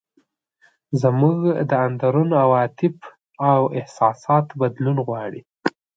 زموږ د اندرون عواطف او احساسات بدلول غواړي.